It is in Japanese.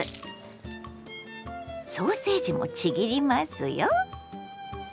ソーセージもちぎりますよ。